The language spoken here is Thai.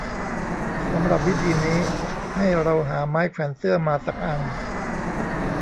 สำหรับวิธีนี้ ให้เราหาไม้แขวนเสื้อมาสักอัน